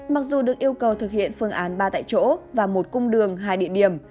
mặc dù được yêu cầu thực hiện phương án ba tại chỗ và một cung đường hai địa điểm